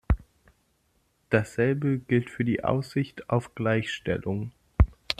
Dasselbe gilt für die Aussicht auf Gleichstellung.